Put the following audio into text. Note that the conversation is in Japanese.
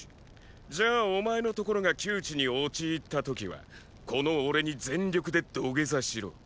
じゃあお前の所が窮地に陥った時はこの俺に全力で土下座しろ。